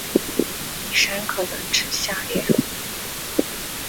李珊可能指下列人物